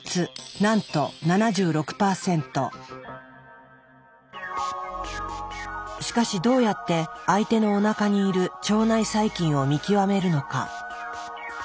なんとしかしどうやって相手のおなかにいる腸内細菌を見極めるのか。